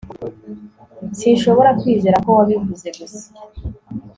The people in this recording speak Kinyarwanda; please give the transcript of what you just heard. sinshobora kwizera ko wabivuze gusa